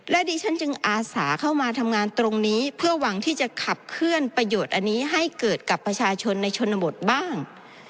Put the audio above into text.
และดิฉันจึงอาสาเข้ามาทำงานตรงนี้เพื่อหวังที่จะขับเคลื่อนประโยชน์อันนี้ให้เกิดกับประชาชนในชนบทบ้าง